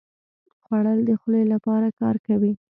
خوړل د خولې لپاره کار کوي